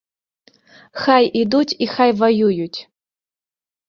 Хай ідуць і хай ваююць.